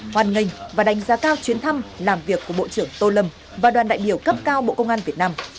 hoàn ngành và đánh giá cao chuyến thăm làm việc của bộ trưởng tô lâm và đoàn đại biểu cấp cao bộ công an việt nam